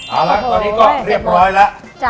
เอาล่ะตอนนี้เรียบร้อยล่ะ